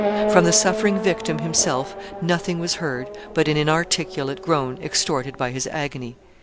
From the suffering victim himself nothing was heard but an inarticulate groan extorted by his agony.